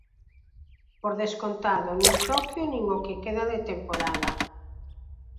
Por descontado nin Toquio nin o que queda de temporada.